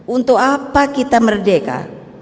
untuk apa kita merdeka